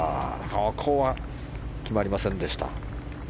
ここは決まりませんでした。